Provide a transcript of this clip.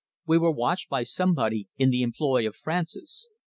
We were watched by somebody in the employ of Francis.